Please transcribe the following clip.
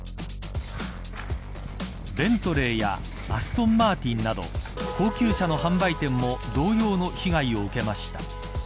ベントレーやアストンマーティンなど高級車の販売店も同様の被害を受けました。